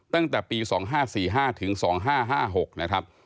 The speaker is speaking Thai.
ตั้งแต่ปี๒๕๔๕ถึง๒๕๕๖นะครับ